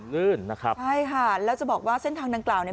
ลื่นนะครับใช่ค่ะแล้วจะบอกว่าเส้นทางดังกล่าวเนี่ย